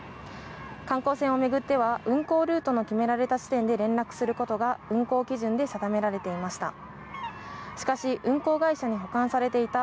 観光船を巡っては運航ルートの決められた時点で連絡することが運航基準で定められていました。